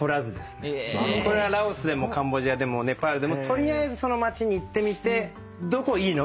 これはラオスでもカンボジアでもネパールでも取りあえずその町に行ってみてどこいいの？